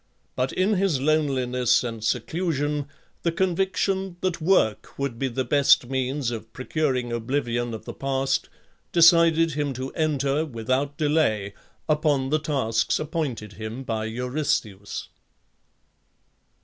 But in his loneliness and seclusion the conviction that work would be the best means of procuring oblivion of the past decided him to enter, without delay, upon the tasks appointed him by Eurystheus.